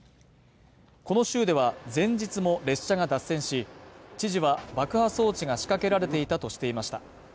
この州では、前日も列車が脱線し、知事は爆破装置が仕掛けられていたとしていました。